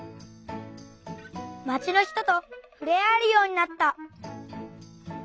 「まちの人とふれあえるようになった」。